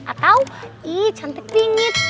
atau ih cantik bingits